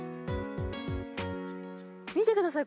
見てください。